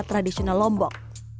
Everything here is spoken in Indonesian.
ia tradisional lombok